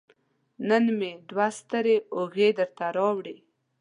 نن مې دوه ستړې اوږې درته راوړي